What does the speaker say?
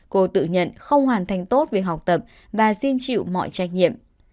cô tự nhận không hoàn thành tốt việc học tập và xin chịu mọi trách nhiệm